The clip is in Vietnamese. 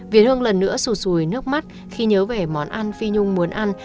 việt hương lần nữa sụt sùi nước mắt khi nhớ về món ăn phí nhung muốn ăn